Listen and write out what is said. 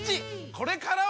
これからは！